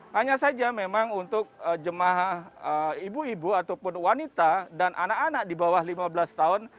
hanya saja memang untuk jemaah ibu ibu ataupun wanita dan anak anak di bawah lima belas tahun